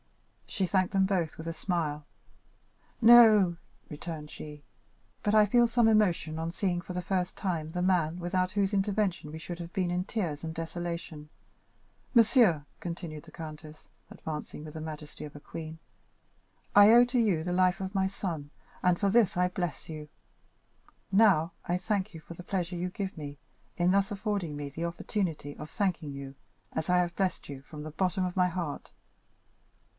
She thanked them both with a smile. "No," returned she, "but I feel some emotion on seeing, for the first time, the man without whose intervention we should have been in tears and desolation. Monsieur," continued the countess, advancing with the majesty of a queen, "I owe to you the life of my son, and for this I bless you. Now, I thank you for the pleasure you give me in thus affording me the opportunity of thanking you as I have blessed you, from the bottom of my heart."